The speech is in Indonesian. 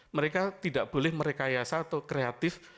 mereka tidak boleh merekayasa atau kreatif